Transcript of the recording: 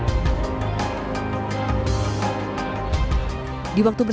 di waktu bersama sama nikita mirzani menemukan penyakit yang berbeda